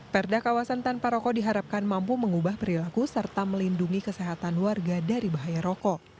perda kawasan tanpa rokok diharapkan mampu mengubah perilaku serta melindungi kesehatan warga dari bahaya rokok